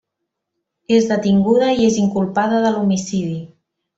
És detinguda i és inculpada de l'homicidi.